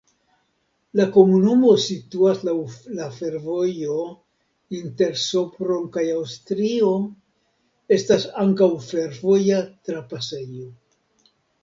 La komunumo situas laŭ la fervojo inter Sopron kaj Aŭstrio, estas ankaŭ fervoja trapasejo.